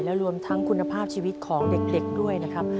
และรวมทั้งคุณภาพชีวิตของเด็กด้วยนะครับ